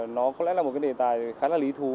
nó có lẽ là một nền tài khá là lý thú